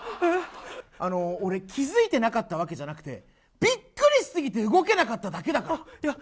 俺、気づいてなかったわけじゃなくて、びっくりしすぎて動けなかっただけだから。